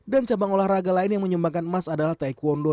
dan cabang olahraga lain yang menyumbangkan emas adalah taekwondo